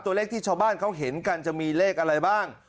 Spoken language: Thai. ตัวเลขที่ชาวบ้านเขาเห็นกันจะมีเลขอะไรบ้าง